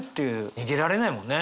逃げられないもんね。